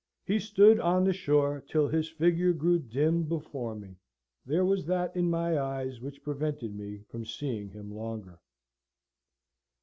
He stood on the shore till his figure grew dim before, me. There was that in my eyes which prevented me from seeing him longer.